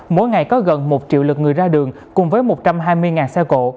mỗi ngày có gần một triệu lượt người ra đường cùng với một trăm hai mươi xe cộ